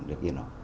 được yên ổng